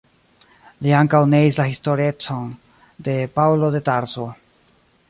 Li ankaŭ neis la historecon de Paŭlo de Tarso.